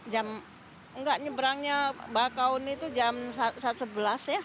jam enggak nyebrangnya bakau ini itu jam saat sebelas ya